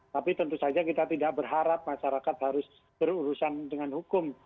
tapi tentu saja kita tidak berharap masyarakat harus berurusan dengan hukum